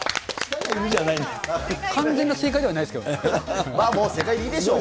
完全な正解ではないですけどもう正解でいいでしょう。